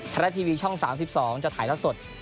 ทะเลทีวีช่อง๓๒จะถ่ายท่าสด